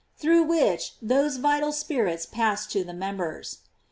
through which those vital spirits pass to the members.